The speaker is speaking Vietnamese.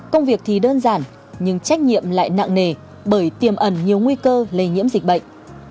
công việc thì đơn giản nhưng trách nhiệm lại nặng nề bởi tiềm ẩn nhiều nguy cơ lây nhiễm dịch bệnh